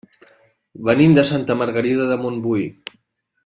Venim de Santa Margarida de Montbui.